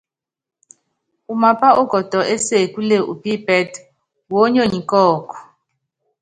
Umapá ukɔtɔ ésekúle upípɛ́tɛ́, wónyonyi kɔ́ɔku.